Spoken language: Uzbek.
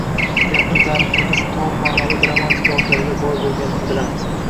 Yaqin tariximiz tom ma’noda dramatik voqealarga boy bo‘lganini bilamiz.